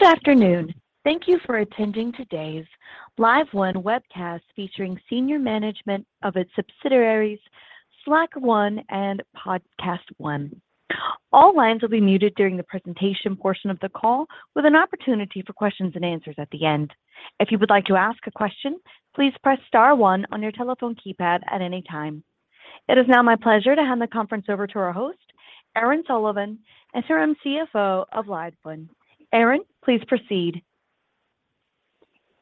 Good afternoon. Thank you for attending today's LiveOne webcast, featuring senior management of its subsidiaries, Slacker Radio and PodcastOne. All lines will be muted during the presentation portion of the call, with an opportunity for questions and answers at the end. If you would like to ask a question, please press star one on your telephone keypad at any time. It is now my pleasure to hand the conference over to our host, Aaron Sullivan, Interim CFO of LiveOne. Aaron, please proceed.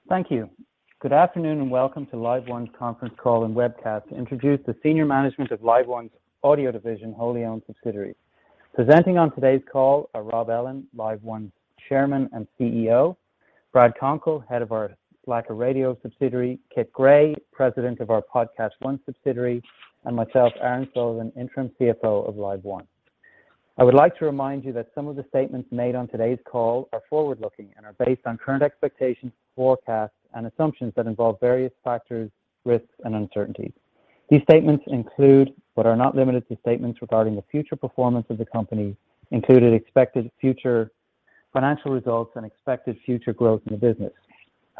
Thank you. Good afternoon, and welcome to LiveOne's conference call and webcast to introduce the senior management of LiveOne's audio division, wholly owned subsidiaries. Presenting on today's call are Rob Ellin, LiveOne's Chairman and CEO, Brad Konkol, Head of our Slacker Radio subsidiary, Kit Gray, President of our PodcastOne subsidiary, and myself, Aaron Sullivan, Interim CFO of LiveOne. I would like to remind you that some of the statements made on today's call are forward-looking and are based on current expectations, forecasts, and assumptions that involve various factors, risks, and uncertainties. These statements include, but are not limited to, statements regarding the future performance of the company, including expected future financial results and expected future growth in the business.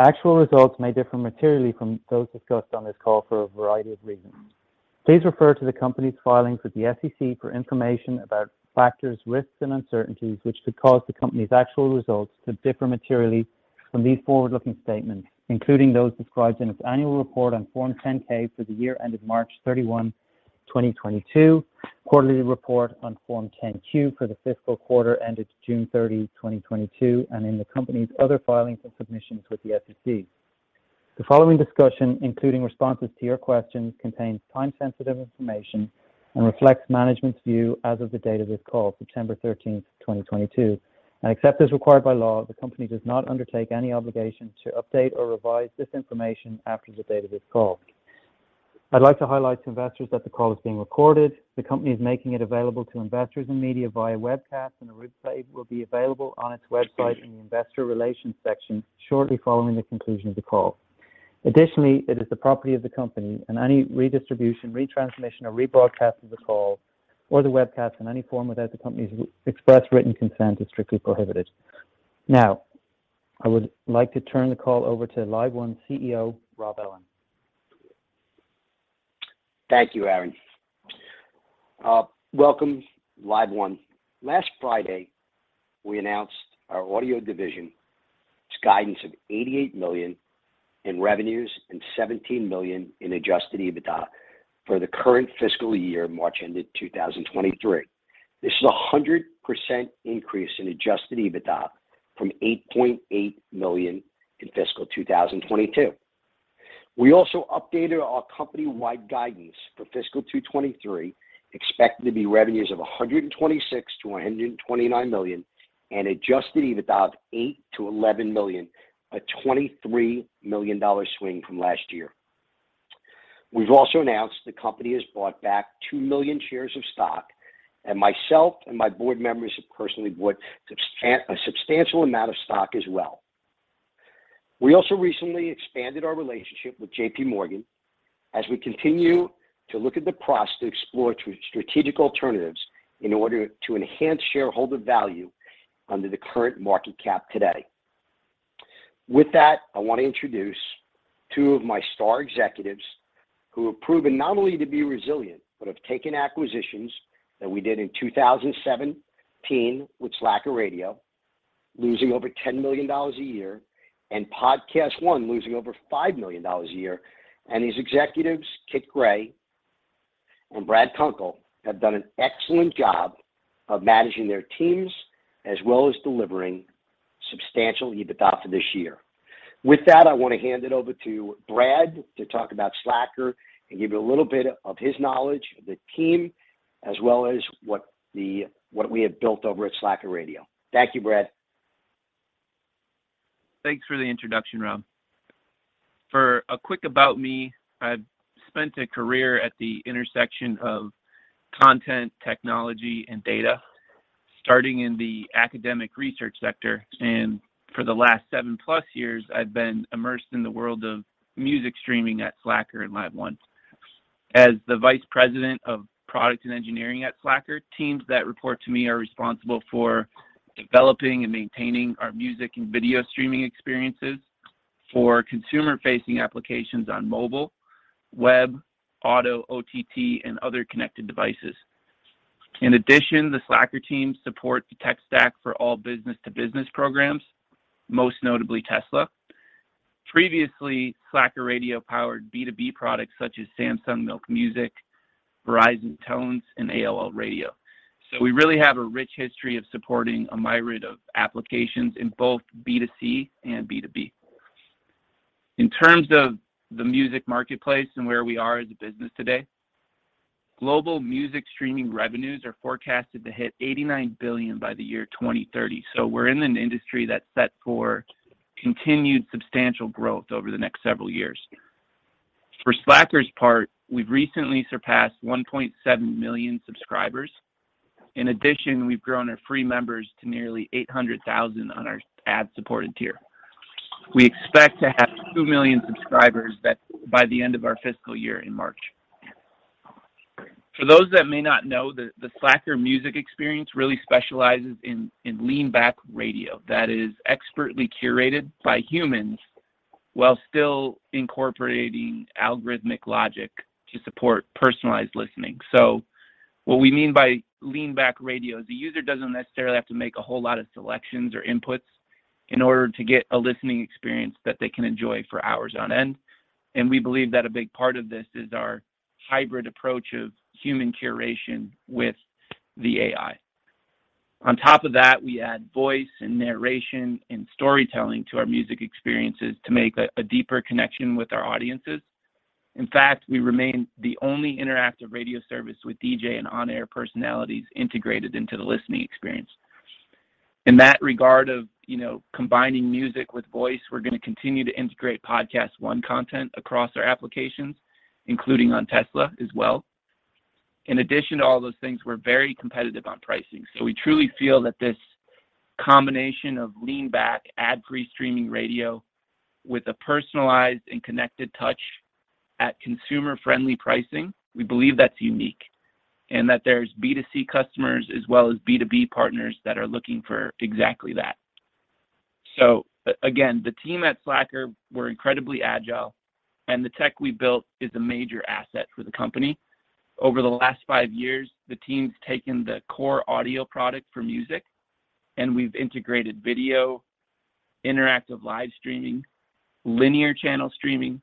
Actual results may differ materially from those discussed on this call for a variety of reasons. Please refer to the company's filings with the SEC for information about factors, risks, and uncertainties which could cause the company's actual results to differ materially from these forward-looking statements, including those described in its annual report on Form 10-K for the year ended March 31, 2022, quarterly report on Form 10-Q for the fiscal quarter ended June 30, 2022, and in the company's other filings and submissions with the SEC. The following discussion, including responses to your questions, contains time-sensitive information and reflects management's view as of the date of this call, September 13, 2022. Except as required by law, the company does not undertake any obligation to update or revise this information after the date of this call. I'd like to highlight to investors that the call is being recorded. The company is making it available to investors and media via webcast, and a replay will be available on its website in the investor relations section shortly following the conclusion of the call. Additionally, it is the property of the company, and any redistribution, retransmission, or rebroadcast of the call or the webcast in any form without the company's expressed written consent is strictly prohibited. Now, I would like to turn the call over to LiveOne CEO, Rob Ellin. Thank you, Aaron. Welcome, LiveOne. Last Friday, we announced our audio division's guidance of $88 million in revenues and $17 million in Adjusted EBITDA for the current fiscal year, March ended 2023. This is a 100% increase in Adjusted EBITDA from $8.8 million in fiscal 2022. We also updated our company-wide guidance for fiscal 2023, expecting revenues of $126 million-$129 million and Adjusted EBITDA of $8 million-$11 million, a $23 million swing from last year. We've also announced the company has bought back 2 million shares of stock, and myself and my board members have personally bought a substantial amount of stock as well. We also recently expanded our relationship with J.P. Morgan as we continue to look at the process to explore strategic alternatives in order to enhance shareholder value under the current market cap today. With that, I wanna introduce two of my star executives who have proven not only to be resilient, but have taken acquisitions that we did in 2017 with Slacker Radio, losing over $10 million a year, and PodcastOne losing over $5 million a year. These executives, Kit Gray and Brad Konkol, have done an excellent job of managing their teams as well as delivering substantial EBITDA for this year. With that, I wanna hand it over to Brad to talk about Slacker and give you a little bit of his knowledge of the team as well as what we have built over at Slacker Radio. Thank you, Brad. Thanks for the introduction, Rob. For a quick about me, I've spent a career at the intersection of content, technology, and data, starting in the academic research sector. For the last seven plus years, I've been immersed in the world of music streaming at Slacker and LiveOne. As the Vice President of product and engineering at Slacker, teams that report to me are responsible for developing and maintaining our music and video streaming experiences for consumer-facing applications on mobile, web, auto, OTT, and other connected devices. In addition, the Slacker team supports the tech stack for all business-to-business programs, most notably Tesla. Previously, Slacker Radio-powered B2B products such as Samsung Milk Music, Verizon Tones, and AOL Radio. We really have a rich history of supporting a myriad of applications in both B2C and B2B. In terms of the music marketplace and where we are as a business today, global music streaming revenues are forecasted to hit $89 billion by the year 2030. We're in an industry that's set for continued substantial growth over the next several years. For Slacker's part, we've recently surpassed 1.7 million subscribers. In addition, we've grown our free members to nearly 800,000 on our ad-supported tier. We expect to have two million subscribers by the end of our fiscal year in March. For those that may not know, the Slacker music experience really specializes in lean back radio that is expertly curated by humans while still incorporating algorithmic logic to support personalized listening. What we mean by lean back radio is the user doesn't necessarily have to make a whole lot of selections or inputs in order to get a listening experience that they can enjoy for hours on end. We believe that a big part of this is our hybrid approach of human curation with the AI. On top of that, we add voice and narration and storytelling to our music experiences to make a deeper connection with our audiences. In fact, we remain the only interactive radio service with DJ and on-air personalities integrated into the listening experience. In that regard of, you know, combining music with voice, we're gonna continue to integrate PodcastOne content across our applications, including on Tesla as well. In addition to all those things, we're very competitive on pricing. We truly feel that this combination of lean back, ad-free streaming radio with a personalized and connected touch at consumer-friendly pricing, we believe that's unique and that there's B2C customers as well as B2B partners that are looking for exactly that. Again, the team at Slacker were incredibly agile, and the tech we built is a major asset for the company. Over the last five years, the team's taken the core audio product for music, and we've integrated video, interactive live streaming, linear channel streaming,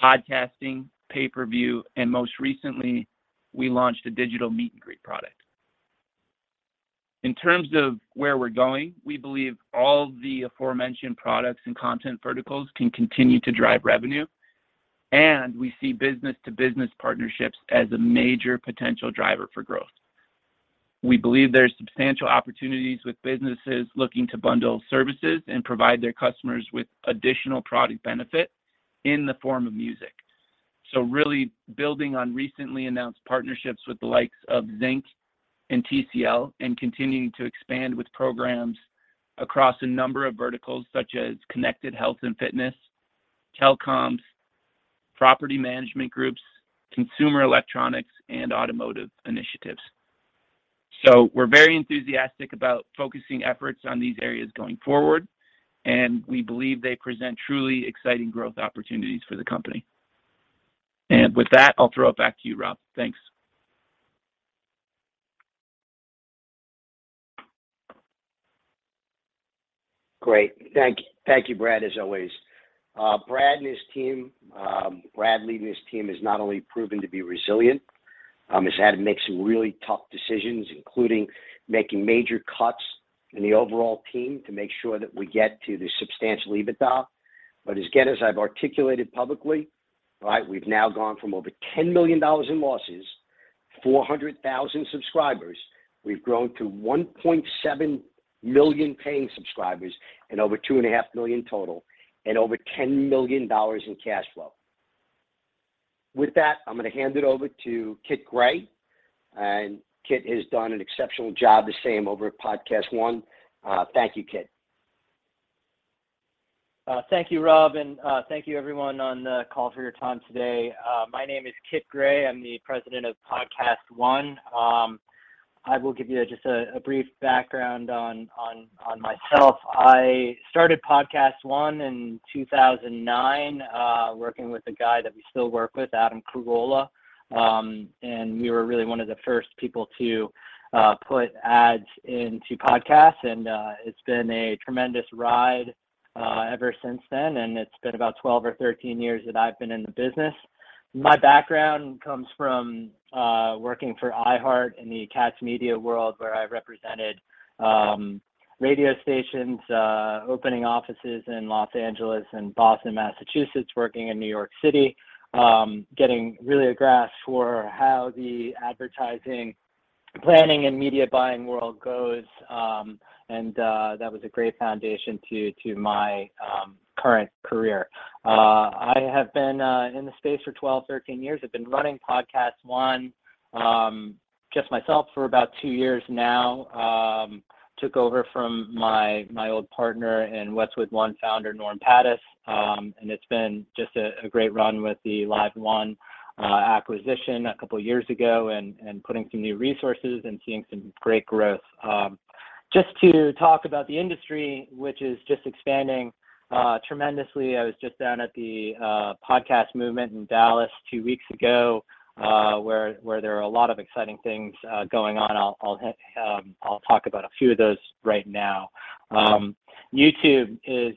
podcasting, pay-per-view, and most recently, we launched a digital meet and greet product. In terms of where we're going, we believe all the aforementioned products and content verticals can continue to drive revenue, and we see business-to-business partnerships as a major potential driver for growth. We believe there's substantial opportunities with businesses looking to bundle services and provide their customers with additional product benefit in the form of music. Really building on recently announced partnerships with the likes of ZYNC and TCL and continuing to expand with programs across a number of verticals such as connected health and fitness, telecoms, property management groups, consumer electronics, and automotive initiatives. We're very enthusiastic about focusing efforts on these areas going forward, and we believe they present truly exciting growth opportunities for the company. With that, I'll throw it back to you, Rob. Thanks. Great. Thank you, Brad, as always. Brad and his team, Brad leading his team has not only proven to be resilient, has had to make some really tough decisions, including making major cuts in the overall team to make sure that we get to the substantial EBITDA. Again, as I've articulated publicly, right, we've now gone from over $10 million in losses, 400,000 subscribers. We've grown to 1.7 million paying subscribers and over 2.5 million total and over $10 million in cash flow. With that, I'm gonna hand it over to Kit Gray. Kit has done an exceptional job the same over at PodcastOne. Thank you, Kit. Thank you, Rob, and thank you everyone on the call for your time today. My name is Kit Gray. I'm the President of PodcastOne. I will give you just a brief background on myself. I started PodcastOne in 2009, working with a guy that we still work with, Adam Carolla. We were really one of the first people to put ads into podcasts and it's been a tremendous ride ever since then, and it's been about 12 or 13 years that I've been in the business. My background comes from working for iHeartMedia in the Katz Media world, where I represented radio stations opening offices in Los Angeles and Boston, Massachusetts, working in New York City getting really a grasp for how the advertising planning and media buying world goes, and that was a great foundation to my current career. I have been in the space for 12, 13 years. I've been running PodcastOne just myself for about two years now. Took over from my old partner and Westwood One founder, Norm Pattiz. It's been just a great run with the LiveOne acquisition a couple years ago, putting some new resources and seeing some great growth. Just to talk about the industry, which is just expanding tremendously. I was just down at the Podcast Movement in Dallas two weeks ago, where there are a lot of exciting things going on. I'll talk about a few of those right now. YouTube is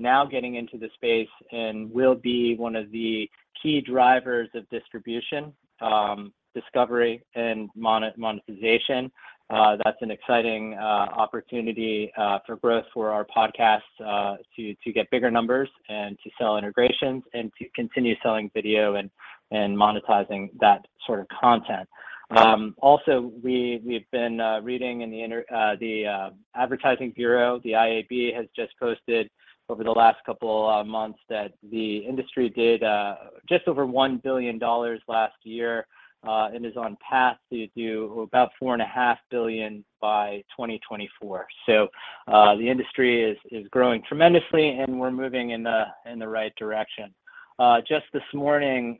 now getting into the space and will be one of the key drivers of distribution, discovery, and monetization. That's an exciting opportunity for growth for our podcasts to get bigger numbers and to sell integrations and to continue selling video and monetizing that sort of content. Also we've been reading in the Interactive Advertising Bureau, the IAB has just posted over the last couple months that the industry did just over $1 billion last year and is on pace to do about $4.5 billion by 2024. The industry is growing tremendously, and we're moving in the right direction. Just this morning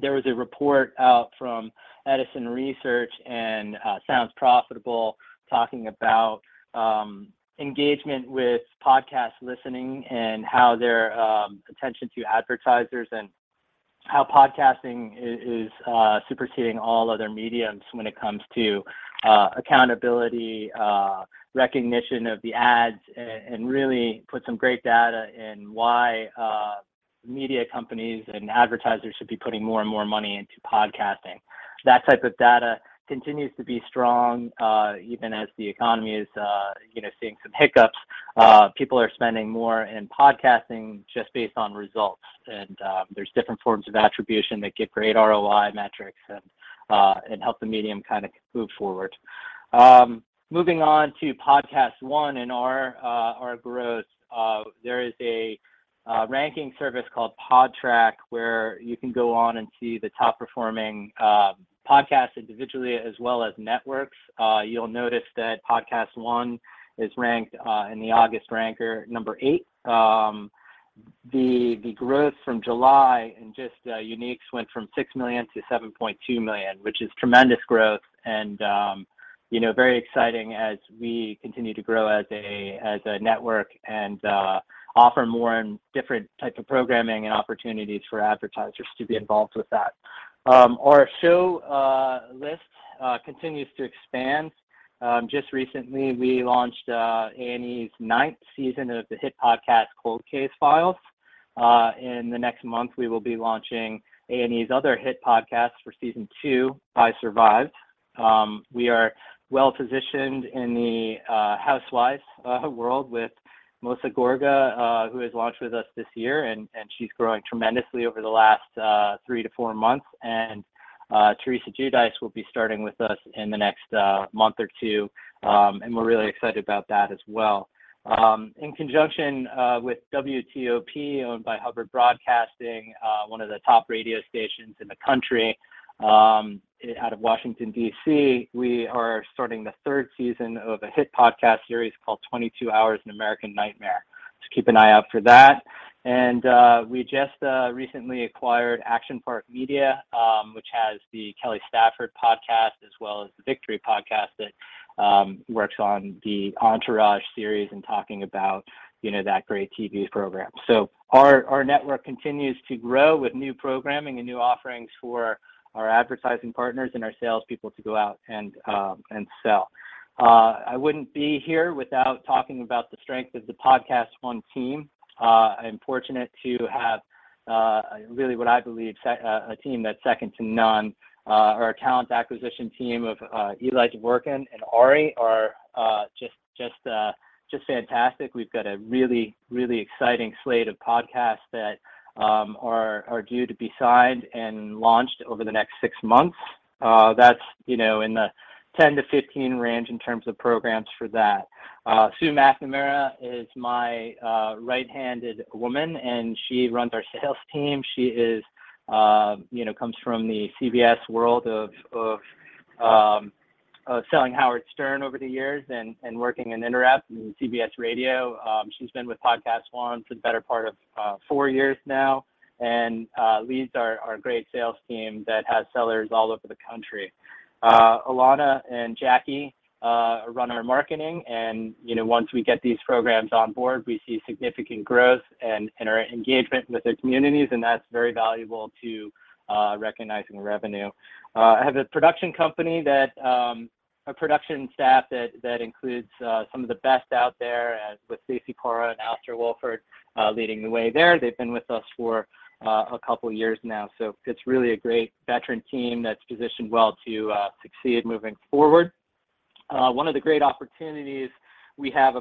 there was a report out from Edison Research and Sounds Profitable talking about engagement with podcast listening and how their attention to advertisers and how podcasting is superseding all other mediums when it comes to accountability, recognition of the ads and really put some great data in why media companies and advertisers should be putting more and more money into podcasting. That type of data continues to be strong, even as the economy is, you know, seeing some hiccups. People are spending more in podcasting just based on results. There's different forms of attribution that get great ROI metrics and help the medium kind of move forward. Moving on to PodcastOne and our growth. There is a ranking service called Podtrac, where you can go on and see the top-performing podcasts individually as well as networks. You'll notice that PodcastOne is ranked in the August Ranker number eight. The growth from July in just uniques went from 6 million to 7.2 million, which is tremendous growth and, you know, very exciting as we continue to grow as a network and offer more and different type of programming and opportunities for advertisers to be involved with that. Our show list continues to expand. Just recently, we launched A&E's ninth season of the hit podcast Cold Case Files. In the next month, we will be launching A&E's other hit podcast for season two, I Survived. We are well-positioned in the Housewives world with Melissa Gorga, who has launched with us this year, and she's growing tremendously over the last thre to four months. Teresa Giudice will be starting with us in the next month or two, and we're really excited about that as well. In conjunction with WTOP, owned by Hubbard Broadcasting, one of the top radio stations in the country, out of Washington, D.C., we are starting the third season of a hit podcast series called 22 Hours: An American Nightmare. Keep an eye out for that. We just recently acquired ActionPark Media, which has the Kelly Stafford podcast as well as the Victory the Podcast that works on the Entourage series and talking about, you know, that great TV program. Our network continues to grow with new programming and new offerings for our advertising partners and our salespeople to go out and sell. I wouldn't be here without talking about the strength of the PodcastOne team. I'm fortunate to have really what I believe a team that's second to none. Our talent acquisition team of Eli Dvorkin and Ari are just fantastic. We've got a really exciting slate of podcasts that are due to be signed and launched over the next six months. That's, you know, in the 10-15 range in terms of programs for that. Sue McNamara is my right-handed woman, and she runs our sales team. She is, you know, comes from the CBS world of selling Howard Stern over the years and working in Interep and CBS Radio. She's been with PodcastOne for the better part of four years now and leads our great sales team that has sellers all over the country. Alana and Jackie run our marketing. You know, once we get these programs on board, we see significant growth and our engagement with the communities, and that's very valuable to recognizing revenue. I have a production staff that includes some of the best out there with Stacie Parra and Alistair Walford leading the way there. They've been with us for a couple years now. It's really a great veteran team that's positioned well to succeed moving forward. One of the great opportunities we have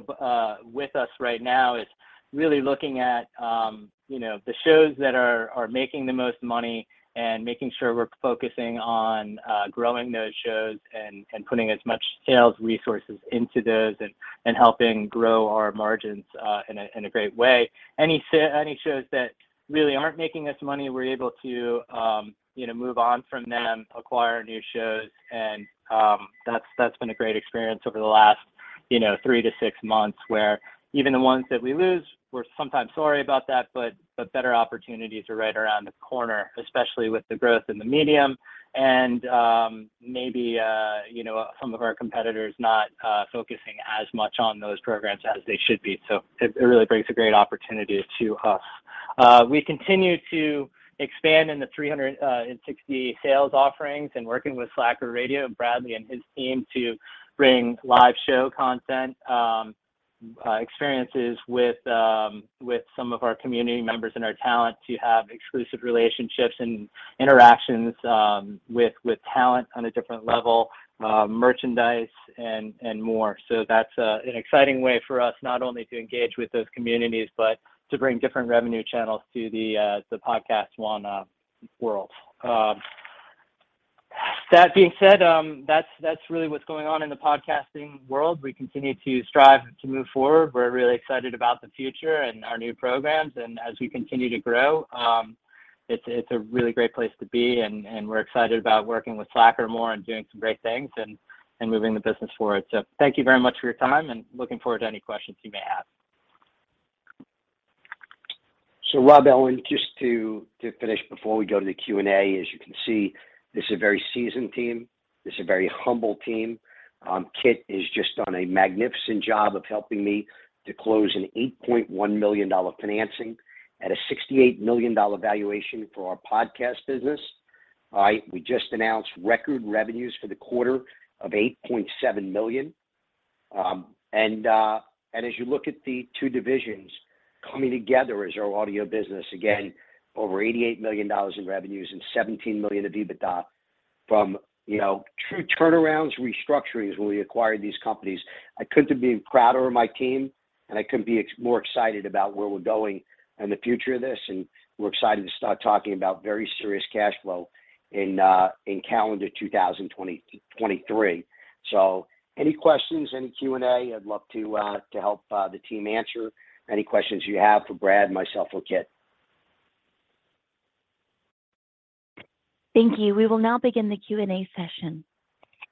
with us right now is really looking at, you know, the shows that are making the most money and making sure we're focusing on growing those shows and putting as much sales resources into those and helping grow our margins in a great way. Any show, any shows that really aren't making us money, we're able to, you know, move on from them, acquire new shows, and, that's been a great experience over the last, you know, thre to six months, where even the ones that we lose, we're sometimes sorry about that, but better opportunities are right around the corner, especially with the growth in the medium and, maybe, you know, some of our competitors not focusing as much on those programs as they should be. It really brings a great opportunity to us. We continue to expand in the 360 sales offerings and working with Slacker Radio and Bradley and his team to bring live show content, experiences with some of our community members and our talent to have exclusive relationships and interactions with talent on a different level, merchandise and more. That's an exciting way for us not only to engage with those communities but to bring different revenue channels to the PodcastOne world. That being said, that's really what's going on in the podcasting world. We continue to strive to move forward. We're really excited about the future and our new programs. As we continue to grow, it's a really great place to be, and we're excited about working with Slacker more and doing some great things and moving the business forward. Thank you very much for your time, and looking forward to any questions you may have. Rob Ellin, just to finish before we go to the Q&A, as you can see, this is a very seasoned team. This is a very humble team. Kit is just done a magnificent job of helping me to close an $8.1 million financing at a $68 million valuation for our podcast business. All right. We just announced record revenues for the quarter of $8.7 million. As you look at the two divisions coming together as our audio business, again, over $88 million in revenues and $17 million of EBITDA from, you know, true turnarounds, restructurings when we acquired these companies. I couldn't be prouder of my team, and I couldn't be more excited about where we're going and the future of this, and we're excited to start talking about very serious cash flow in calendar 2023. Any questions, any Q&A, I'd love to help the team answer any questions you have for Brad, myself, or Kit. Thank you. We will now begin the Q&A session.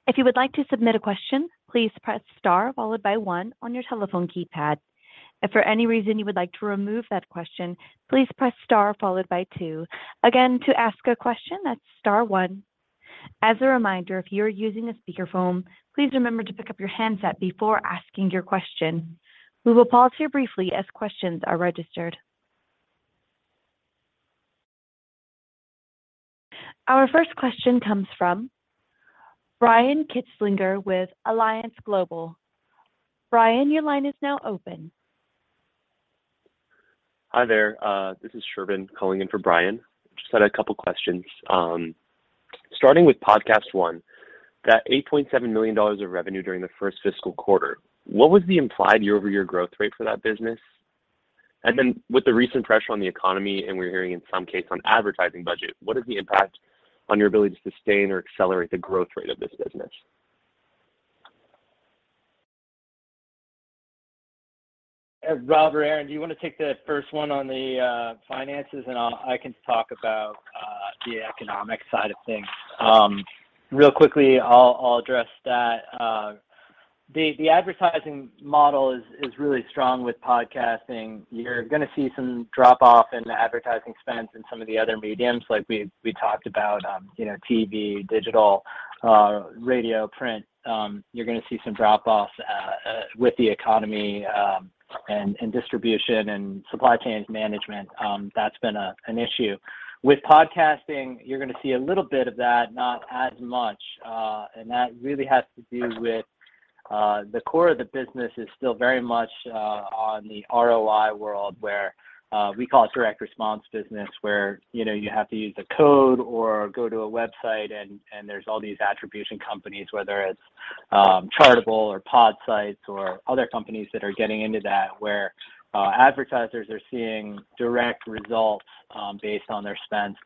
If you would like to submit a question, please press star followed by one on your telephone keypad. If for any reason you would like to remove that question, please press star followed by two. Again, to ask a question, that's star one. As a reminder, if you are using a speakerphone, please remember to pick up your handset before asking your question. We will pause here briefly as questions are registered. Our first question comes from Brian Kinstlinger with Alliance Global Partners. Brian, your line is now open. Hi there. This is Shervin calling in for Brian. Just had a couple questions. Starting with PodcastOne, that $8.7 million of revenue during the first fiscal quarter, what was the implied year-over-year growth rate for that business? With the recent pressure on the economy, and we're hearing in some cases on advertising budgets, what is the impact on your ability to sustain or accelerate the growth rate of this business? Rob or Aaron, do you wanna take the first one on the finances, and I can talk about the economic side of things. Real quickly, I'll address that. The advertising model is really strong with podcasting. You're gonna see some drop-off in the advertising spends in some of the other media like we talked about, you know, TV, digital, radio, print. You're gonna see some drop-offs with the economy, and distribution and supply chains management. That's been an issue. With podcasting, you're gonna see a little bit of that, not as much. That really has to do with the core of the business is still very much on the ROI world where we call it direct response business, where you know you have to use a code or go to a website and there's all these attribution companies whether it's Chartable or Podsights or other companies that are getting into that where advertisers are seeing direct results based on their spends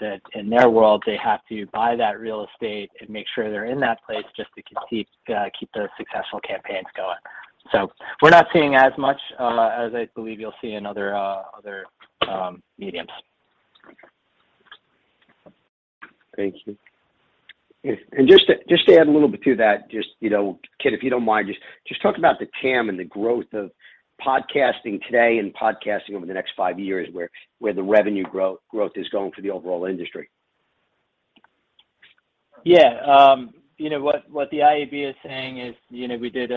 that in their world they have to buy that real estate and make sure they're in that place just to keep those successful campaigns going. So we're not seeing as much as I believe you'll see in other media. Okay. Thank you. Just to add a little bit to that, you know, Kit, if you don't mind, just talk about the TAM and the growth of podcasting today and podcasting over the next five years where the revenue growth is going for the overall industry. Yeah. You know, what the IAB is saying is, you know, we did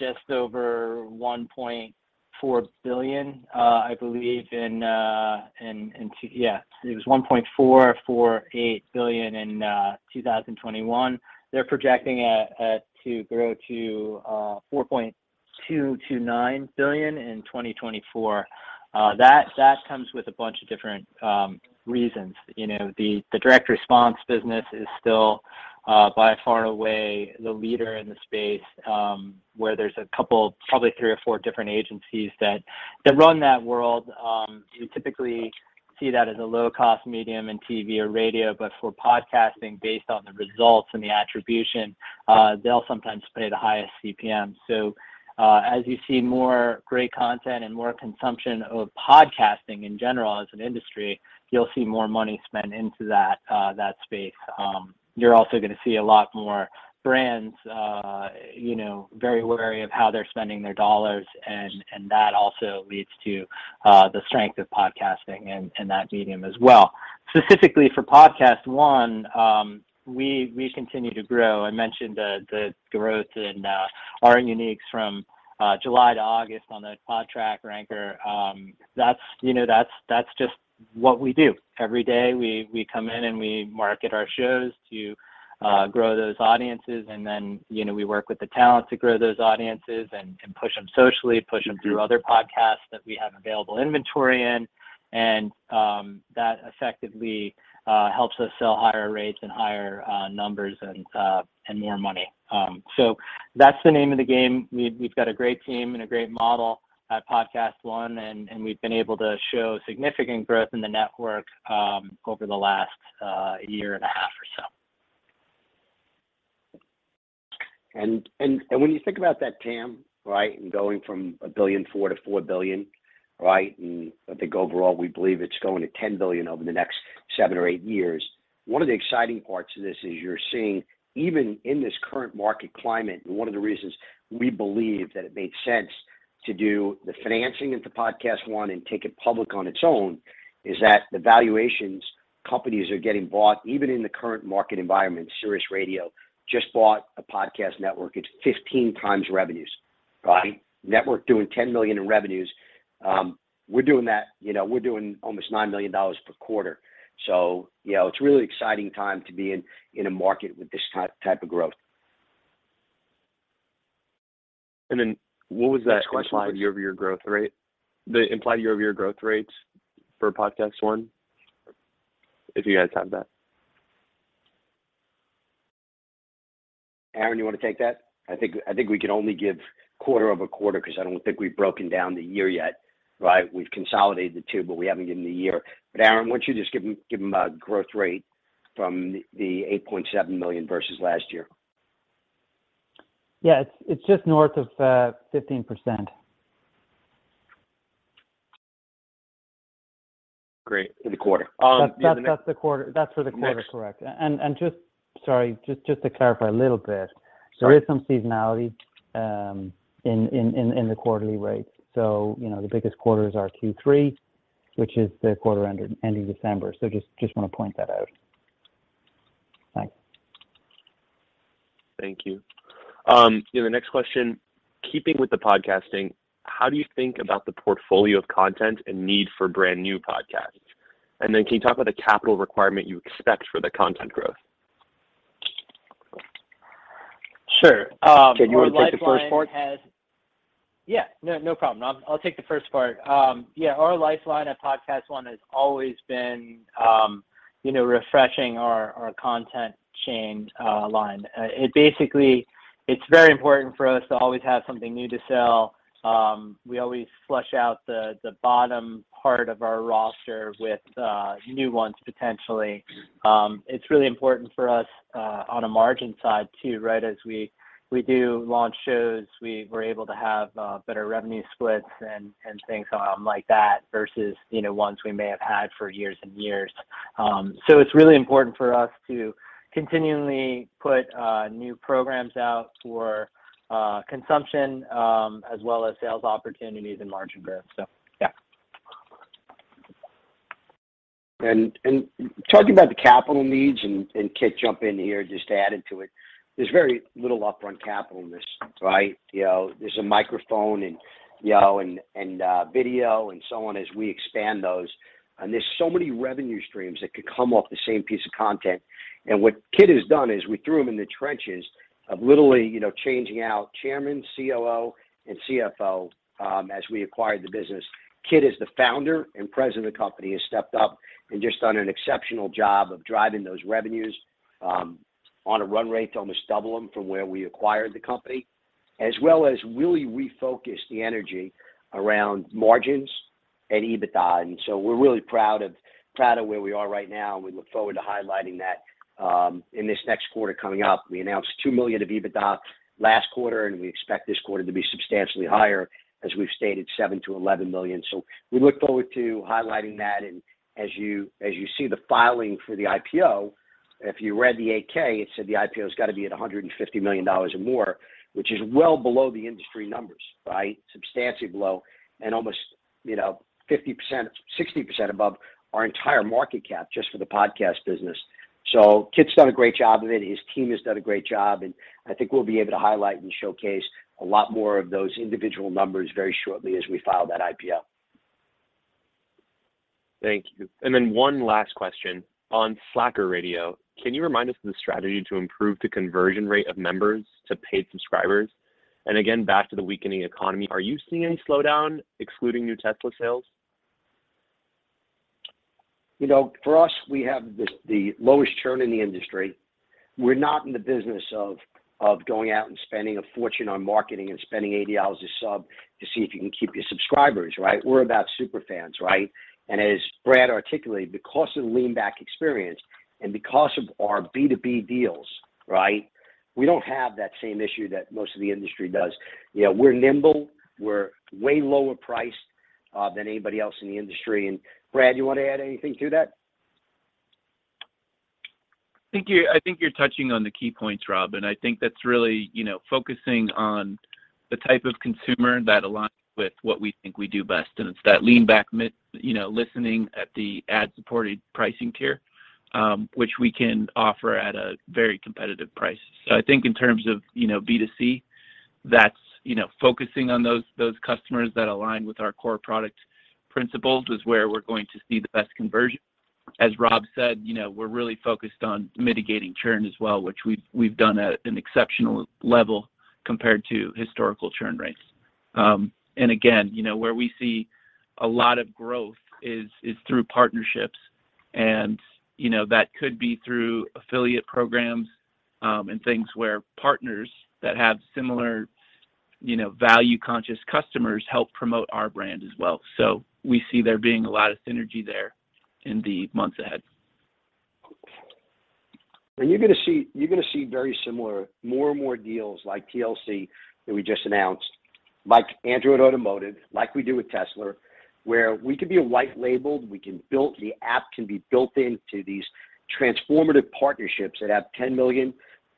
just over $1.4 billion, I believe in 2021. Yeah. It was $1.448 billion in 2021. They're projecting it to grow to $4.229 billion in 2024. That comes with a bunch of different reasons. You know, the direct response business is still by far and away the leader in the space, where there's a couple, probably three or four different agencies that run that world. You typically see that as a low-cost medium in TV or radio. But for podcasting, based on the results and the attribution, they'll sometimes pay the highest CPM. As you see more great content and more consumption of podcasting in general as an industry, you'll see more money spent into that space. You're also gonna see a lot more brands, you know, very wary of how they're spending their dollars, and that also leads to the strength of podcasting in that medium as well. Specifically for PodcastOne, we continue to grow. I mentioned the growth in our uniques from July to August on the Podtrac ranker. That's, you know, just what we do. Every day, we come in and we market our shows to grow those audiences and then, you know, we work with the talent to grow those audiences and push them socially, push them through other podcasts that we have available inventory in. that effectively helps us sell higher rates and higher numbers and more money. That's the name of the game. We've got a great team and a great model at PodcastOne, and we've been able to show significant growth in the network over the last year and a half or so. When you think about that TAM, right, and going from $1.4 billion-$4 billion, right? I think overall, we believe it's going to $10 billion over the next seven or eight years. One of the exciting parts of this is you're seeing even in this current market climate, and one of the reasons we believe that it made sense to do the financing into PodcastOne and take it public on its own, is that the valuations companies are getting bought even in the current market environment. SiriusXM just bought a podcast network. It's 15x revenues, right? Network doing $10 million in revenues, we're doing that. You know, we're doing almost $9 million per quarter. You know, it's a really exciting time to be in a market with this type of growth. What was that question? Which implied year-over-year growth rate? The implied year-over-year growth rates for PodcastOne, if you guys have that. Aaron, you wanna take that? I think we can only give quarter-over-quarter because I don't think we've broken down the year yet, right? We've consolidated the two, but we haven't given the year. Aaron, why don't you just give 'em a growth rate from the $8.7 million versus last year. Yeah. It's just north of 15%. Great. For the quarter. That's the quarter. That's for the quarter, correct. Next. Sorry, just to clarify a little bit. Sure. There is some seasonality in the quarterly rates. You know, the biggest quarters are Q3, which is the quarter ending December. Just wanna point that out. Thanks. Thank you. Yeah, the next question, keeping with the podcasting, how do you think about the portfolio of content and need for brand new podcasts? And then can you talk about the capital requirement you expect for the content growth? Sure. Our lifeline has. Kit, you wanna take the first part? Yeah. No problem. I'll take the first part. Yeah, our lifeline at PodcastOne has always been, you know, refreshing our content line. It basically is very important for us to always have something new to sell. We always flush out the bottom part of our roster with new ones potentially. It's really important for us on a margin side too, right? As we do launch shows, we're able to have better revenue splits and things like that versus, you know, ones we may have had for years and years. It's really important for us to continually put new programs out for consumption as well as sales opportunities and margin growth. Yeah. Talking about the capital needs, Kit, jump in here just to add into it. There's very little upfront capital in this, right? You know, there's a microphone and, you know, video and so on as we expand those, and there's so many revenue streams that could come off the same piece of content. What Kit has done is we threw him in the trenches of literally, you know, changing out chairman, COO, and CFO as we acquired the business. Kit as the founder and president of the company has stepped up and just done an exceptional job of driving those revenues on a run rate to almost double them from where we acquired the company, as well as really refocus the energy around margins and EBITDA. We're really proud of where we are right now, and we look forward to highlighting that in this next quarter coming up. We announced $2 million of EBITDA last quarter, and we expect this quarter to be substantially higher as we've stated, $7 million-$11 million. We look forward to highlighting that and as you see the filing for the IPO, if you read the 8-K, it said the IPO's gotta be at $150 million or more, which is well below the industry numbers, right? Substantially below and almost, you know, 50%, 60% above our entire market cap just for the podcast business. Kit's done a great job of it. His team has done a great job, and I think we'll be able to highlight and showcase a lot more of those individual numbers very shortly as we file that IPO. Thank you. Then one last question. On Slacker Radio, can you remind us of the strategy to improve the conversion rate of members to paid subscribers? Again, back to the weakening economy, are you seeing any slowdown excluding new Tesla sales? You know, for us, we have the lowest churn in the industry. We're not in the business of going out and spending a fortune on marketing and spending $80 a sub to see if you can keep your subscribers, right? We're about super fans, right? As Brad articulated, because of the lean back experience and because of our B2B deals, right, we don't have that same issue that most of the industry does. You know, we're nimble, we're way lower priced than anybody else in the industry. Brad, you wanna add anything to that? I think you're touching on the key points, Rob, and I think that's really, you know, focusing on the type of consumer that aligns with what we think we do best, and it's that lean back you know, listening at the ad-supported pricing tier, which we can offer at a very competitive price. I think in terms of, you know, B2C, that's, you know, focusing on those customers that align with our core product principles is where we're going to see the best conversion. As Rob said, you know, we're really focused on mitigating churn as well, which we've done at an exceptional level compared to historical churn rates. Again, you know, where we see a lot of growth is through partnerships and, you know, that could be through affiliate programs, and things where partners that have similar, you know, value conscious customers help promote our brand as well. We see there being a lot of synergy there in the months ahead. You're gonna see, you're gonna see very similar, more and more deals like TCL that we just announced, like Android Automotive, like we do with Tesla, where we could be a white label. The app can be built into these transformative partnerships that have 10 million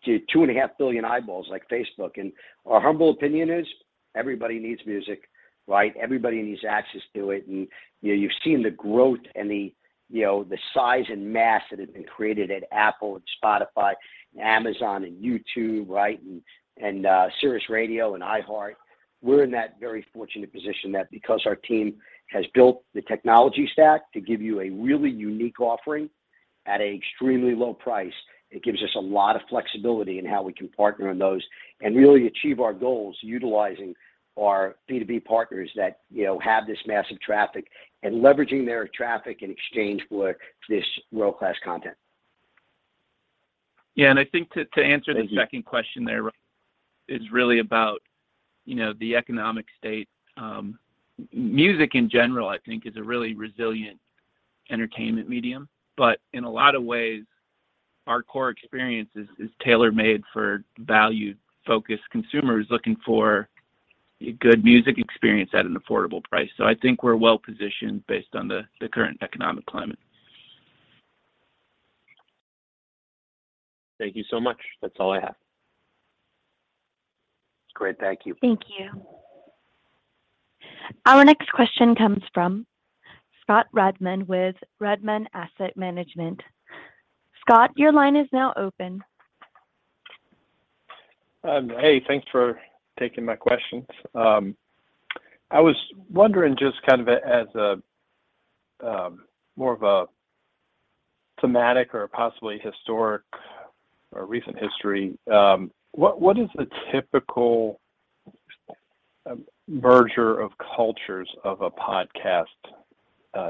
to 2.5 billion eyeballs like Facebook. Our humble opinion is everybody needs music, right? Everybody needs access to it. You've seen the growth and, you know, the size and mass that have been created at Apple, Spotify, Amazon, and YouTube, right? SiriusXM and iHeartMedia. We're in that very fortunate position that because our team has built the technology stack to give you a really unique offering at an extremely low price, it gives us a lot of flexibility in how we can partner on those and really achieve our goals utilizing our B2B partners that, you know, have this massive traffic and leveraging their traffic in exchange for this world-class content. Yeah. I think to answer. Thank you. The second question there is really about, you know, the economic state. Music in general, I think is a really resilient entertainment medium. In a lot of ways, our core experience is tailor-made for value-focused consumers looking for a good music experience at an affordable price. I think we're well-positioned based on the current economic climate. Thank you so much. That's all I have. Great. Thank you. Thank you. Our next question comes from Scott Redmond with Redmond Asset Management. Scott, your line is now open. Hey, thanks for taking my questions. I was wondering, just kind of as a more of a thematic or possibly historic or recent history, what is the typical merger of cultures of a podcast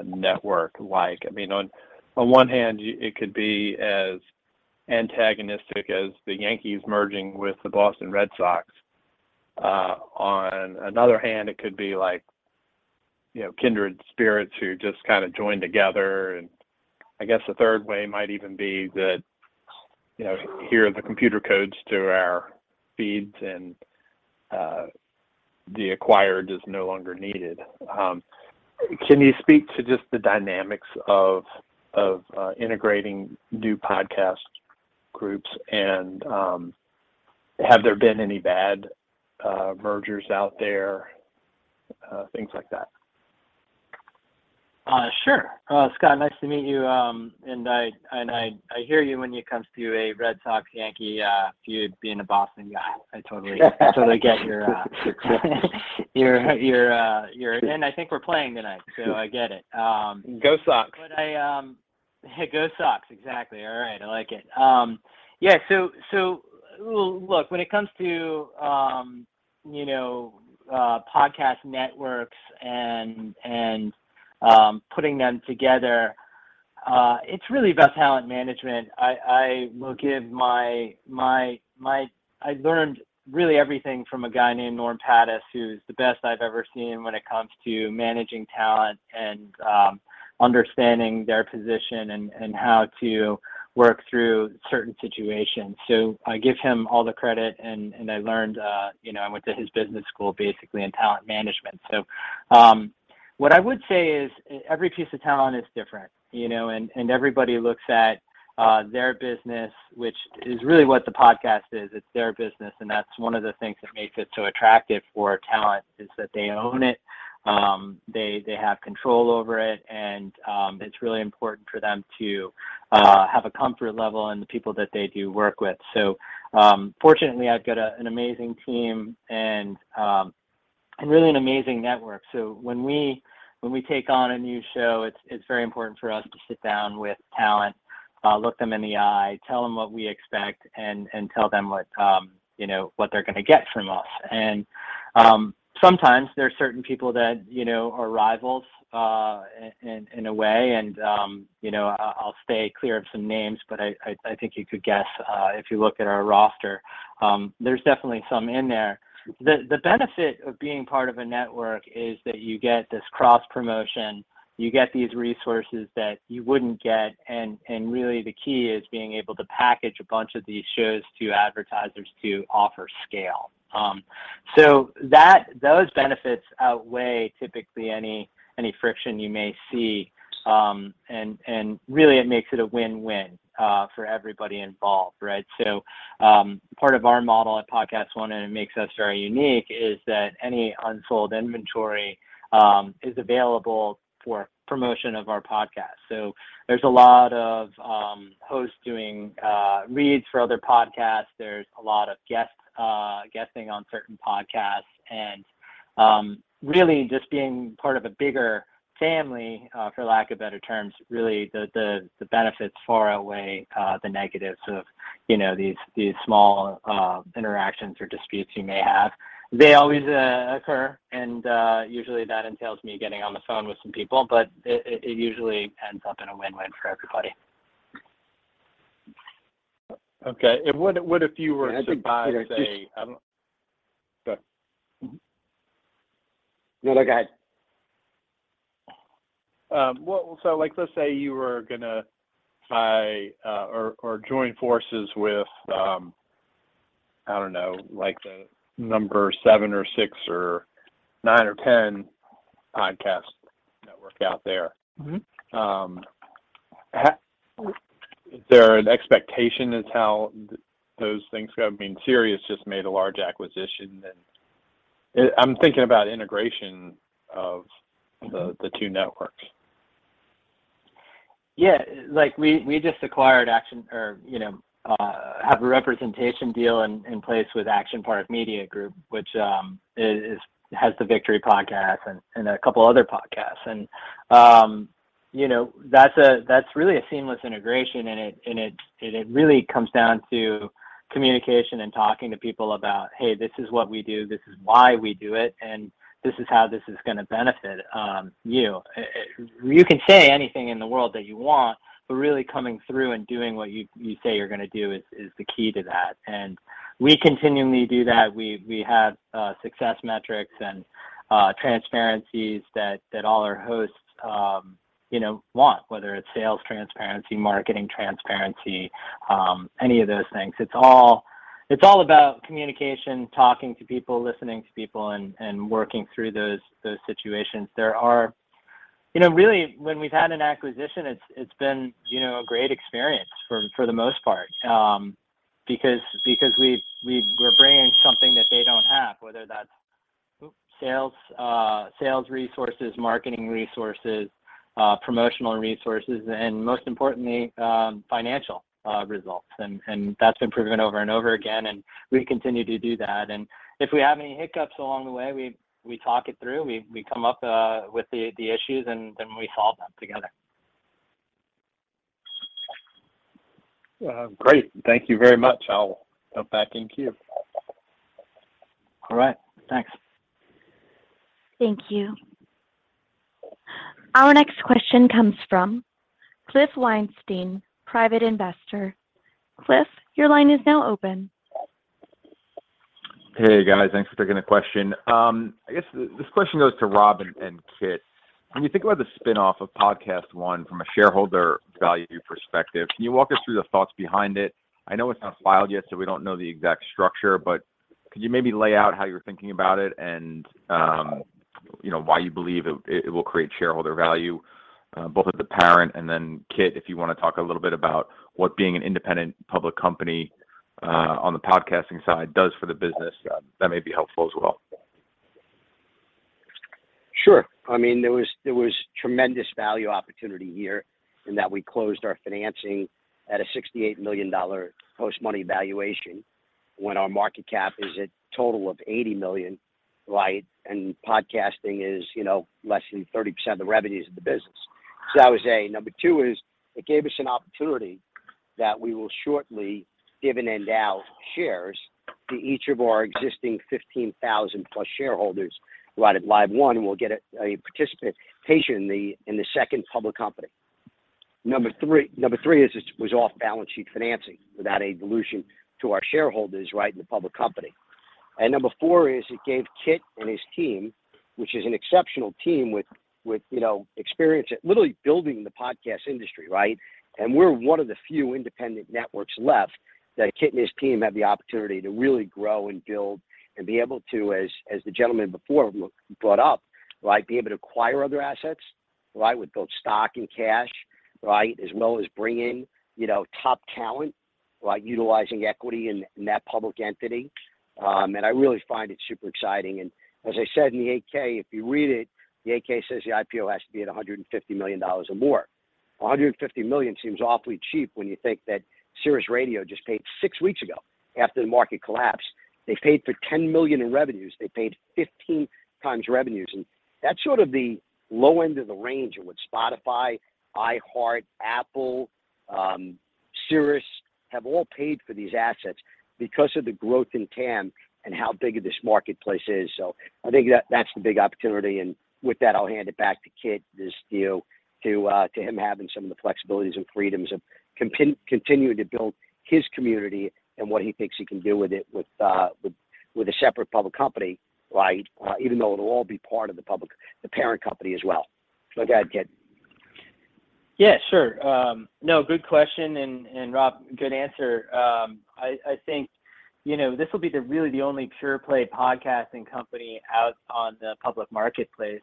network like? I mean, on one hand, it could be as antagonistic as the Yankees merging with the Boston Red Sox. On another hand, it could be like, you know, kindred spirits who just kinda join together. I guess a third way might even be that, you know, here are the computer codes to our feeds and the acquired is no longer needed. Can you speak to just the dynamics of integrating new podcast groups and have there been any bad mergers out there, things like that? Sure. Scott, nice to meet you. I hear you when it comes to a Red Sox-Yankee feud, being a Boston guy. I totally get your. I think we're playing tonight, so I get it. Go Sox. Hey, go Sox. Exactly. All right, I like it. Yeah, look, when it comes to, you know, podcast networks and putting them together, it's really about talent management. I learned really everything from a guy named Norm Pattiz, who's the best I've ever seen when it comes to managing talent and understanding their position and how to work through certain situations. I give him all the credit, and I learned, you know, I went to his business school basically in talent management. What I would say is every piece of talent is different, you know, and everybody looks at their business, which is really what the podcast is. It's their business, and that's one of the things that makes it so attractive for talent, is that they own it, they have control over it, and it's really important for them to have a comfort level in the people that they do work with. Fortunately, I've got an amazing team and really an amazing network. When we take on a new show, it's very important for us to sit down with talent, look them in the eye, tell them what we expect, and tell them what you know, what they're gonna get from us. Sometimes there are certain people that you know, are rivals in a way. You know, I'll stay clear of some names, but I think you could guess if you look at our roster. There's definitely some in there. The benefit of being part of a network is that you get this cross-promotion, you get these resources that you wouldn't get, and really the key is being able to package a bunch of these shows to advertisers to offer scale. Those benefits outweigh typically any friction you may see, and really it makes it a win-win for everybody involved, right? Part of our model at PodcastOne, and it makes us very unique, is that any unsold inventory is available for promotion of our podcast. There's a lot of hosts doing reads for other podcasts. There's a lot of guests guesting on certain podcasts. Really just being part of a bigger family for lack of better terms, really the benefits far outweigh the negatives of, you know, these small interactions or disputes you may have. They always occur, and usually that entails me getting on the phone with some people, but it usually ends up in a win-win for everybody. Okay. What if you were to survive a- I think [Peter], just. Go ahead. No, no, go ahead. Well, like let's say you were gonna buy or join forces with, I don't know, like the number seven or six or nine or 10 podcast network out there. Mm-hmm. Is there an expectation as how those things go? I mean, SiriusXM just made a large acquisition and I'm thinking about integration of- Mm-hmm the two networks. Yeah. Like we just have a representation deal in place with ActionPark Media, which has the Victory Podcast and a couple other podcasts. You know, that's really a seamless integration and it really comes down to communication and talking to people about, "Hey, this is what we do, this is why we do it, and this is how this is gonna benefit you." You can say anything in the world that you want, but really coming through and doing what you say you're gonna do is the key to that. We continually do that. We have success metrics and transparencies that all our hosts, you know, want, whether it's sales transparency, marketing transparency, any of those things. It's all about communication, talking to people, listening to people, and working through those situations. You know, really, when we've had an acquisition, it's been, you know, a great experience for the most part, because we're bringing something that they don't have, whether that's sales resources, marketing resources, promotional resources, and most importantly, financial results. That's been proven over and over again, and we continue to do that. If we have any hiccups along the way, we talk it through, we come up with the issues and then we solve them together. Great. Thank you very much. I'll hop back in queue. All right. Thanks. Thank you. Our next question comes from Cliff Weinstein, Private Investor. Cliff, your line is now open. Hey, guys. Thanks for taking the question. I guess this question goes to Rob and Kit. When you think about the spinoff of PodcastOne from a shareholder value perspective, can you walk us through the thoughts behind it? I know it's not filed yet, so we don't know the exact structure, but could you maybe lay out how you're thinking about it and, you know, why you believe it will create shareholder value, both at the parent and then, Kit, if you wanna talk a little bit about what being an independent public company on the podcasting side does for the business, that may be helpful as well. Sure. I mean, there was tremendous value opportunity here in that we closed our financing at a $68 million post-money valuation when our market cap is a total of $80 million, right? Podcasting is, you know, less than 30% of the revenues of the business. That was A. Number two is it gave us an opportunity that we will shortly give and award shares to each of our existing 15,000+ shareholders, right, at LiveOne will get a participation in the second public company. Number three is it was off-balance sheet financing without a dilution to our shareholders, right, in the public company. Number four is it gave Kit and his team, which is an exceptional team with, you know, experience at literally building the podcast industry, right? We're one of the few independent networks left that Kit and his team have the opportunity to really grow and build and be able to, as the gentleman before brought up, right, be able to acquire other assets, right, with both stock and cash, right? As well as bring in, you know, top talent by utilizing equity in that public entity. I really find it super exciting. As I said in the 8-K, if you read it, the 8-K says the IPO has to be at $150 million or more. $150 million seems awfully cheap when you think that SiriusXM just paid six weeks ago after the market collapsed. They paid for $10 million in revenues. They paid 15 times revenues. That's sort of the low end of the range of what Spotify, iHeart, Apple, Sirius have all paid for these assets because of the growth in TAM and how big this marketplace is. I think that's the big opportunity. With that, I'll hand it back to Kit. This deal to him having some of the flexibilities and freedoms of continuing to build his community and what he thinks he can do with it with a separate public company, right, even though it'll all be part of the public the parent company as well. Go ahead, Kit. Yeah, sure. No, good question and Rob, good answer. I think, you know, this will be really the only pure play podcasting company out on the public marketplace.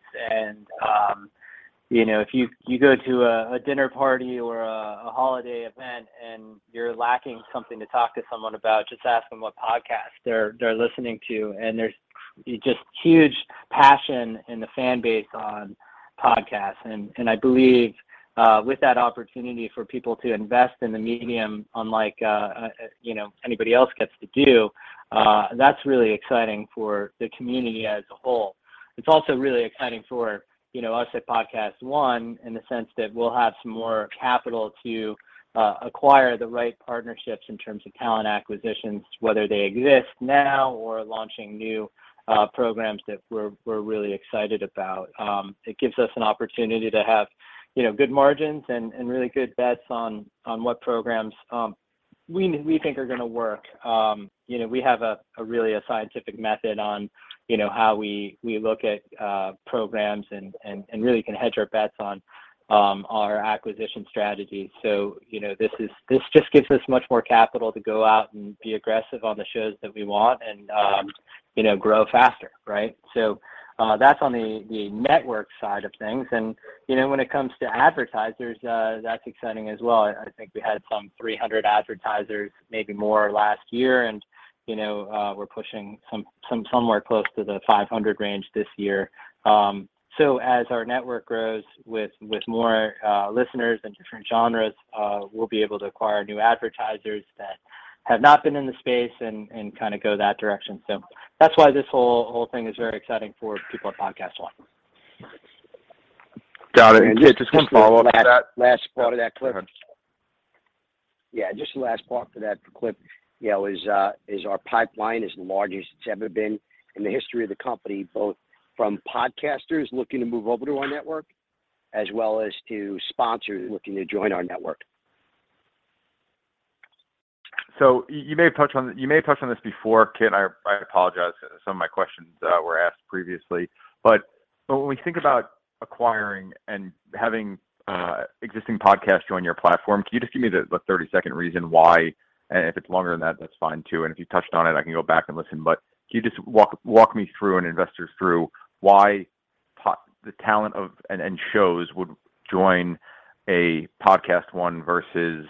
You know, if you go to a dinner party or a holiday event and you're lacking something to talk to someone about, just ask them what podcast they're listening to. There's just huge passion in the fan base on podcasts. I believe with that opportunity for people to invest in the medium unlike you know anybody else gets to do, that's really exciting for the community as a whole. It's also really exciting for you know us at PodcastOne in the sense that we'll have some more capital to acquire the right partnerships in terms of talent acquisitions, whether they exist now or launching new programs that we're really excited about. It gives us an opportunity to have you know good margins and really good bets on what programs we think are gonna work. You know we have a really scientific method on you know how we look at programs and really can hedge our bets on our acquisition strategy. This just gives us much more capital to go out and be aggressive on the shows that we want and you know grow faster, right? That's on the network side of things. You know, when it comes to advertisers, that's exciting as well. I think we had some 300 advertisers, maybe more last year. You know, we're pushing some, somewhere close to the 500 range this year. As our network grows with more listeners and different genres, we'll be able to acquire new advertisers that have not been in the space and kinda go that direction. That's why this whole thing is very exciting for people at PodcastOne. Got it. Just one follow up to that. Last part of that, Cliff. Go ahead. Yeah, just the last part for that, Cliff, you know, is our pipeline is the largest it's ever been in the history of the company, both from podcasters looking to move over to our network, as well as to sponsors looking to join our network. You may have touched on this before, Kit. I apologize if some of my questions were asked previously. When we think about acquiring and having existing podcasts join your platform, can you just give me the 30-second reason why? If it's longer than that's fine too. If you touched on it, I can go back and listen. Can you just walk me and investors through why the talent and shows would join a PodcastOne versus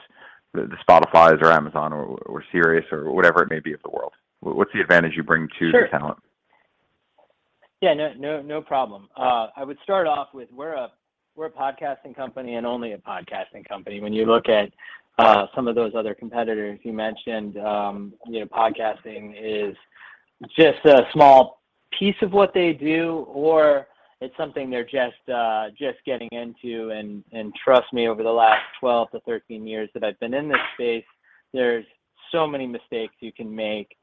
the Spotifys or Amazon or Sirius or whatever it may be of the world? What's the advantage you bring to the talent? Sure. Yeah, no, no problem. I would start off with we're a podcasting company and only a podcasting company. When you look at some of those other competitors you mentioned, you know, podcasting is just a small piece of what they do, or it's something they're just getting into. Trust me, over the last 12-13 years that I've been in this space, there's so many mistakes you can make.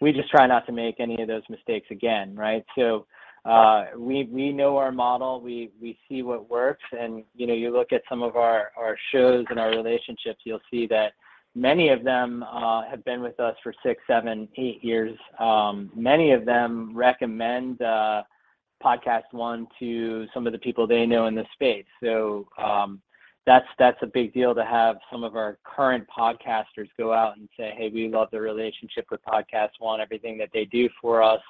We just try not to make any of those mistakes again, right? We know our model. We see what works. You know, you look at some of our shows and our relationships, you'll see that many of them have been with us for six, seven, eight years. Many of them recommend PodcastOne to some of the people they know in this space. That's a big deal to have some of our current podcasters go out and say, "Hey, we love the relationship with PodcastOne, everything that they do for us.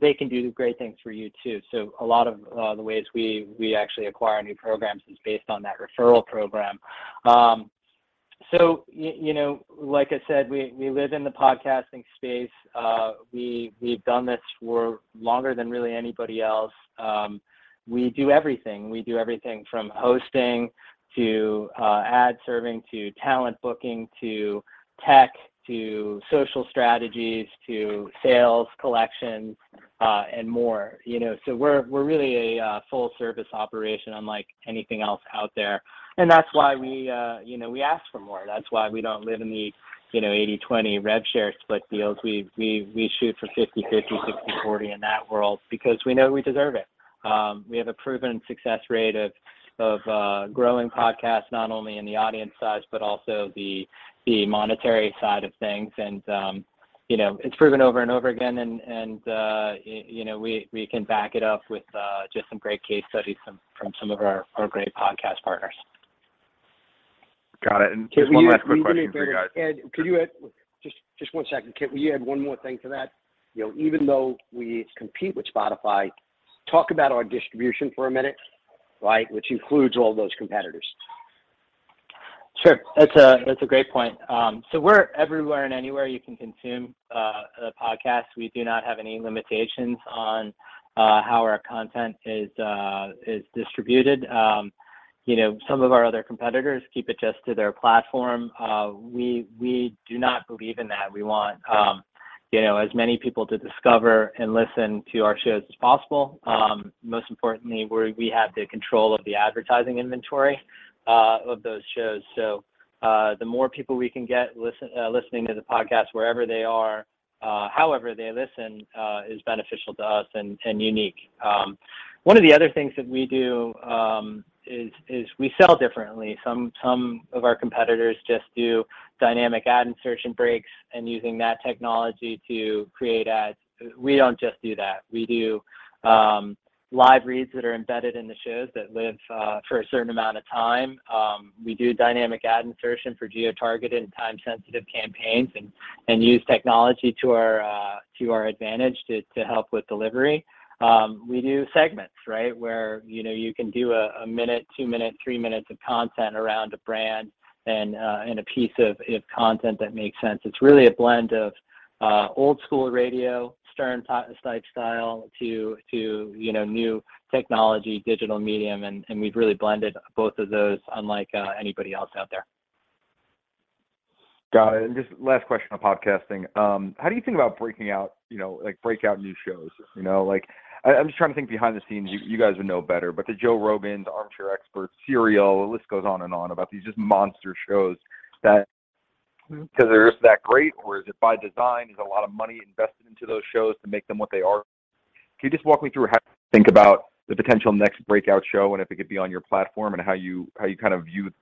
They can do great things for you too." A lot of the ways we actually acquire new programs is based on that referral program. You know, like I said, we live in the podcasting space. We've done this for longer than really anybody else. We do everything from hosting to ad serving, to talent booking, to tech, to social strategies, to sales collections, and more. You know, we're really a full service operation unlike anything else out there. That's why we, you know, we ask for more. That's why we don't live in the, you know, 80/20 rev share split deals. We shoot for 50/50, 60/40 in that world because we know we deserve it. We have a proven success rate of growing podcasts, not only in the audience size, but also the monetary side of things. You know, it's proven over and over again and you know, we can back it up with just some great case studies from some of our great podcast partners. Got it. Just one last quick question for you guys. Can we add there? Add, could you add? Just one second, Kit. Will you add one more thing to that? You know, even though we compete with Spotify, talk about our distribution for a minute, right? Which includes all those competitors. Sure. That's a great point. We're everywhere and anywhere you can consume a podcast. We do not have any limitations on how our content is distributed. You know, some of our other competitors keep it just to their platform. We do not believe in that. We want you know, as many people to discover and listen to our shows as possible. Most importantly, we have the control of the advertising inventory of those shows. The more people we can get listening to the podcast wherever they are, however they listen, is beneficial to us and unique. One of the other things that we do is we sell differently. Some of our competitors just do dynamic ad insertion breaks and using that technology to create ads. We don't just do that. We do live reads that are embedded in the shows that live for a certain amount of time. We do dynamic ad insertion for geo-targeted and time-sensitive campaigns and use technology to our advantage to help with delivery. We do segments, right? Where you know you can do a one-minute, two-minute, three-minute of content around a brand and a piece of content that makes sense. It's really a blend of old-school radio, Stern-type style to, you know, new technology, digital medium, and we've really blended both of those unlike anybody else out there. Got it. Just last question on podcasting. How do you think about breaking out, you know, like breakout new shows? You know, like I'm just trying to think behind the scenes, you guys would know better, but the Joe Rogan, Armchair Expert, Serial, the list goes on and on about these just monster shows that. 'Cause they're just that great, or is it by design, there's a lot of money invested into those shows to make them what they are? Can you just walk me through how you think about the potential next breakout show, and if it could be on your platform, and how you kind of view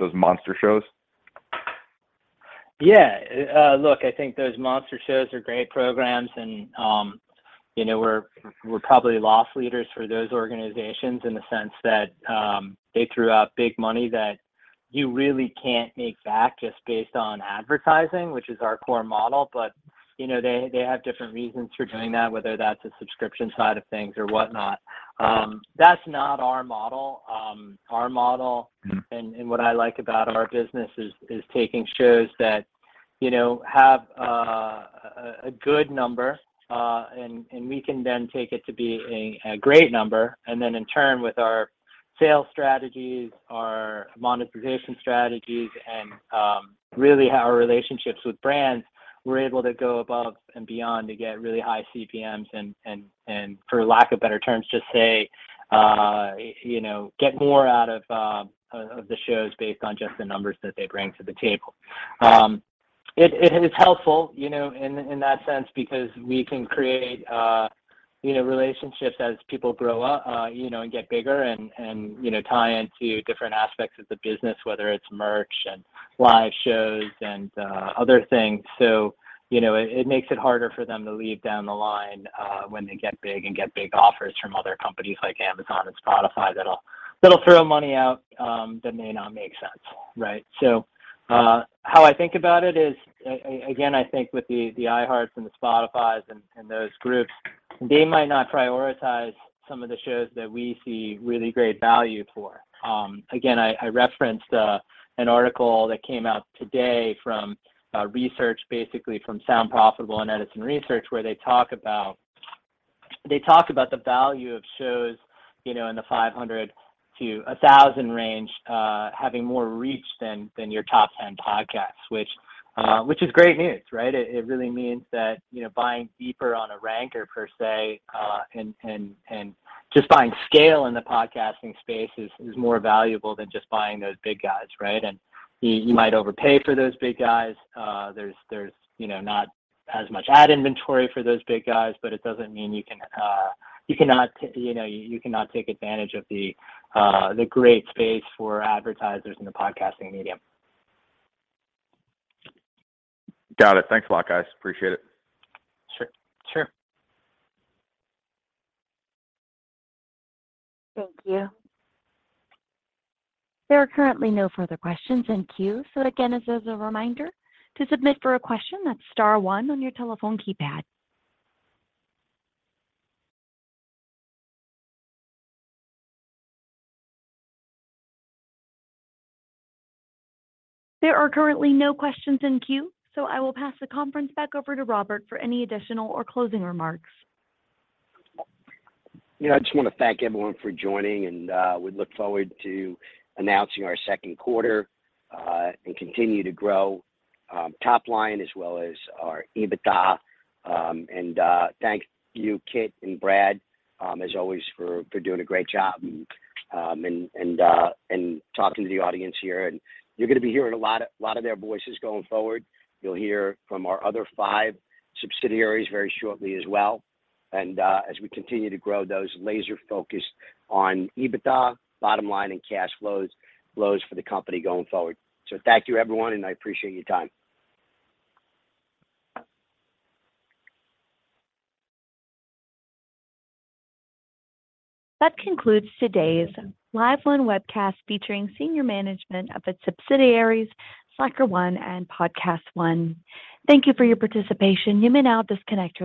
those monster shows? Yeah. Look, I think those monster shows are great programs and, you know, we're probably loss leaders for those organizations in the sense that, they threw out big money that you really can't make back just based on advertising, which is our core model. You know, they have different reasons for doing that, whether that's the subscription side of things or whatnot. That's not our model. Our model- Mm-hmm What I like about our business is taking shows that, you know, have a good number, and we can then take it to be a great number. In turn, with our sales strategies, our monetization strategies, and really our relationships with brands, we're able to go above and beyond to get really high CPMs and, for lack of better terms, just say, you know, get more out of the shows based on just the numbers that they bring to the table. It is helpful, you know, in that sense because we can create, you know, relationships as people grow, you know, and get bigger and, you know, tie into different aspects of the business, whether it's merch and live shows and other things. You know, it makes it harder for them to leave down the line, when they get big offers from other companies like Amazon and Spotify that'll throw money out that may not make sense, right? How I think about it is again, I think with the iHeart and the Spotify and those groups, they might not prioritize some of the shows that we see really great value for. Again, I referenced an article that came out today from research basically from Sounds Profitable and Edison Research, where they talk about the value of shows, you know, in the 500-1,000 range, having more reach than your top 10 podcasts, which is great news, right? It really means that, you know, buying deeper on a ranker per se, and just buying scale in the podcasting space is more valuable than just buying those big guys, right? You might overpay for those big guys. There's, you know, not as much ad inventory for those big guys, but it doesn't mean you cannot take advantage of the great space for advertisers in the podcasting medium. Got it. Thanks a lot, guys. Appreciate it. Sure, sure. Thank you. There are currently no further questions in queue. Again, as a reminder, to submit for a question, that's star one on your telephone keypad. There are currently no questions in queue, so I will pass the conference back over to Rob for any additional or closing remarks. Yeah. I just wanna thank everyone for joining and we look forward to announcing our second quarter and continue to grow top line as well as our EBITDA. Thank you, Kit and Brad, as always for doing a great job and talking to the audience here. You're gonna be hearing a lot of their voices going forward. You'll hear from our other five subsidiaries very shortly as well. As we continue to grow those laser-focused on EBITDA, bottom line and cash flows for the company going forward. Thank you, everyone, and I appreciate your time. That concludes today's live-line webcast featuring senior management of its subsidiaries, Slacker Radio and PodcastOne. Thank you for your participation. You may now disconnect your lines.